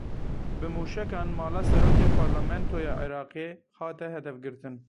Bi mûşekan mala Serokê Parlamentoya Iraqê hate hedefgirtin.